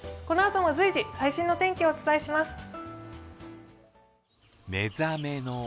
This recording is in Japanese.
このあとも随時最新のお天気をお伝えします。